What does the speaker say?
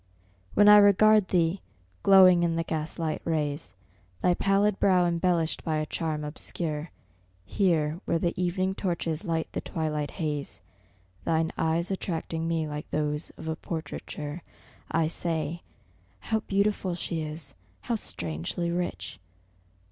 When I regard thee, glowing in the gaslight rays, Thy pallid brow embellished by a charm obscure, Here where the evening torches light the twilight haze, Thine eyes attracting me like those of a portraiture, I say How beautiful she is! how strangely rich!